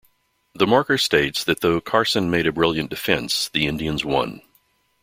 The marker states that though Carson made a brilliant defense, the Indians won.